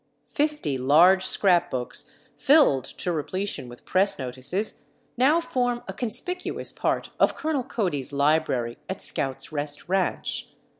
Fifty large scrap books, filled to repletion with press notices, now form a conspicuous part of Colonel Cody's library at Scout's Rest Ranch.